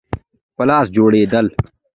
په لاس جوړېدل.